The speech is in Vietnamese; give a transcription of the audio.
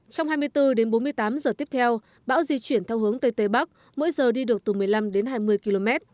trong hai mươi bốn đến bốn mươi tám giờ tiếp theo bão di chuyển theo hướng tây tây bắc mỗi giờ đi được từ một mươi năm đến hai mươi km